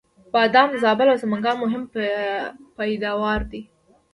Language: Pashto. بادام د زابل او سمنګان مهم پیداوار دی